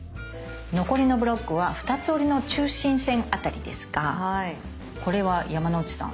残りのブロックは２つ折りの中心線あたりですがこれは山之内さん